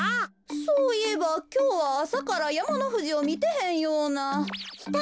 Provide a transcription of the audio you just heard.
そういえばきょうはあさからやまのふじをみてへんような。